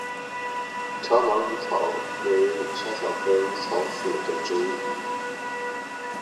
长芒薹草为莎草科薹草属的植物。